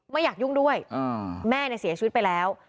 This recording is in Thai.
ไม่อยากยุ่งด้วยแม่เนี่ยเสียชีวิตไปแล้ว